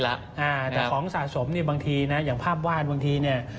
แต่ของสะสมเนี่ยบางทีนะอย่างภาพวาดบางทีเนี่ย